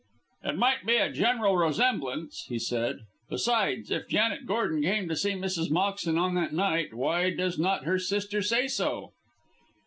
"It might be a general resemblance," he said. "Besides, if Janet Gordon came to see Mrs. Moxton on that night, why does not her sister say so?"